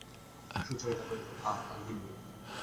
সুচরিতা কহিল, হাঁ, আমি হিন্দু।